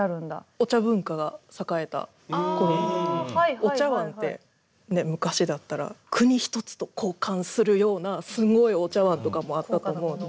お茶文化が栄えた頃お茶碗って昔だったら国一つと交換するようなすごいお茶碗とかもあったと思うんで。